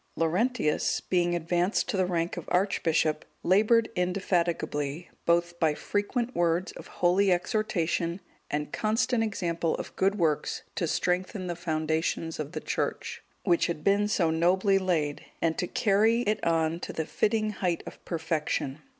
Laurentius, being advanced to the rank of archbishop, laboured indefatigably, both by frequent words of holy exhortation and constant example of good works to strengthen the foundations of the Church, which had been so nobly laid, and to carry it on to the fitting height of perfection.